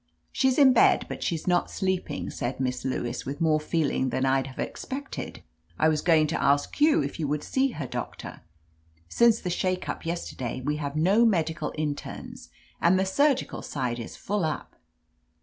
'' "She's in bed, but she's not sleeping," said Miss Lewis, with more feeling than I'd have expected. "I was going to ask you if you would see her. Doctor. Since the shake up yes terday, we have no medical internes, and the surgical side is full up."